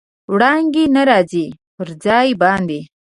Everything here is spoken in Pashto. وړانګې نه راځي، پر ځان باندې